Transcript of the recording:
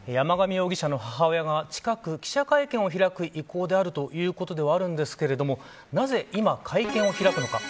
山上容疑者の母親が近く記者会見を開く意向であるということですがなぜ今、会見を開くのか。